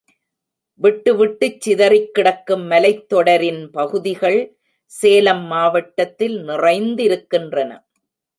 விட்டுவிட்டுச் சிதறிக் கிடக்கும் மலைத் தொடரின் பகுதிகள் சேலம் மாவட்டத்தில் நிறைந்திருக்கின்றன.